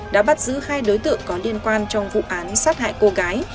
đã bắt giữ hai đối tượng có liên quan trong vụ án sát hại cô gái